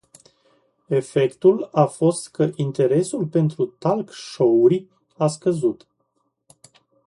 Efectul a fost că interesul pentru talk show-uri a scăzut.